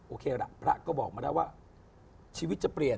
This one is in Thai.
โอเคละพระก็บอกมาแล้วว่าชีวิตจะเปลี่ยน